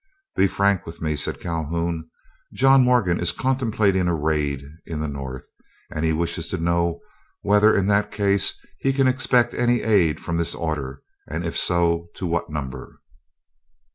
"Be frank with me," said Calhoun; "John Morgan is contemplating a raid in the North, and he wishes to know whether in that case he can expect any aid from this order, and if so to what number."